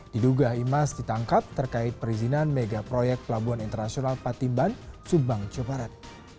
diduga imas ditangkap terkait perizinan mega proyek pelabuhan internasional patimban subang jawa barat